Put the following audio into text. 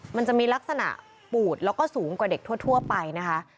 มันจะมีลักษณะปูดแล้วก็สูงกว่าเด็กทั่วไปนะคะ